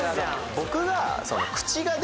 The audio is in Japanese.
僕が。